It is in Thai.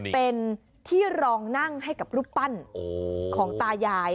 เป็นที่รองนั่งให้กับรูปปั้นของตายาย